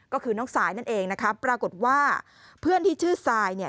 ก็คือน้องสายนั่นเองนะคะปรากฏว่าเพื่อนที่ชื่อทรายเนี่ย